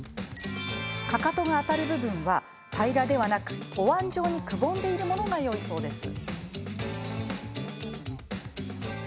かかとが当たる部分は平らではなく、おわん状にくぼんでいるものがよいそうです。